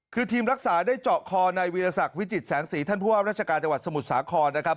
คือทีมรักษาได้เจาะคอในวีรศักดิ์วิจิตแสงสีท่านผู้ว่าราชการจังหวัดสมุทรสาครนะครับ